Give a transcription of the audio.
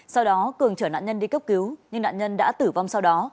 sau đó cường chở nạn nhân đi cấp cứu nhưng nạn nhân đã tử vong sau đó